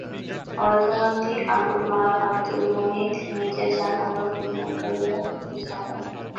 অর্থমন্ত্রী আবুল মাল আবদুল মুহিত নিজে চান, আর বিনিয়োগকারীরা তো চানই।